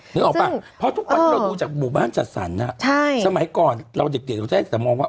เมื่อเราดูจากบุบ้านจัดสรรค่ะสมัยก่อนเราเด็กโจ๊ยสมองว่า